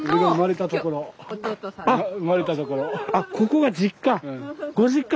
ここが実家？